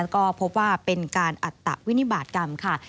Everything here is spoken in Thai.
ก็พบว่าเป็นการอัตตะวินิบาตกรรมค่ะ